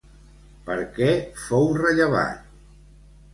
Per què fou rellevat?